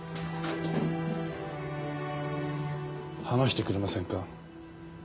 話してくれませんか？